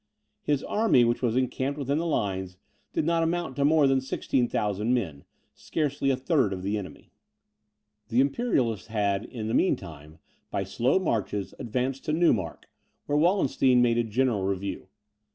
His army, which was encamped within the lines, did not amount to more than 16,000 men, scarcely a third of the enemy. The Imperialists had, in the mean time, by slow marches, advanced to Neumark, where Wallenstein made a general review.